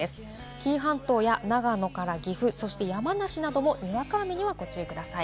紀伊半島や長野から岐阜、そして山梨などもにわか雨にはご注意ください。